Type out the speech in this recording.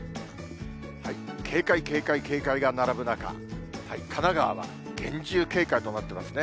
警戒、警戒、警戒が並ぶ中、神奈川は厳重警戒となってますね。